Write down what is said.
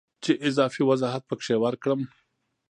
چې اضافي وضاحت پکې ورکړم